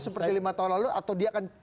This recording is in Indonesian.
seperti lima tahun lalu atau dia akan